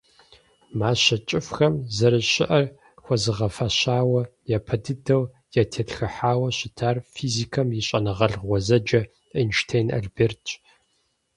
Мащэ кӀыфӀхэм, зэрыщыӀэр хуэзыгъэфащэу, япэ дыдэу ятетхыхьауэ щытар физикэм и щӀэныгъэлӀ гъуэзэджэ Эйнштейн Альбертщ.